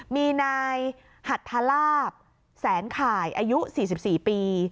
มีนายหัทธลาบแสนข่ายอายุ๔๔ปี